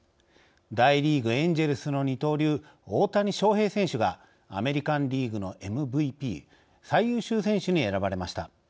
大リーグ、エンジェルスの二刀流大谷翔平選手がアメリカンリーグのＭＶＰ・最優秀選手に選ばれました。